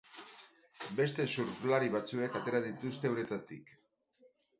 Beste surflari batzuek atera dituzte uretatik.